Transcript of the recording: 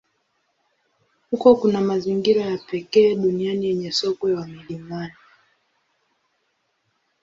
Huko kuna mazingira ya pekee duniani yenye sokwe wa milimani.